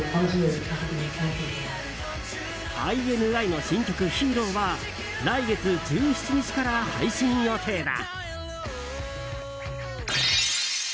ＩＮＩの新曲「ＨＥＲＯ」は来月１７日から配信予定だ。